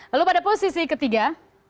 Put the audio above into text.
lalu pada posisi ketiga